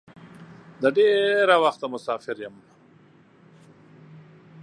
د ډېره وخته مسافر یم.